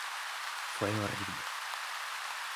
Fue horrible.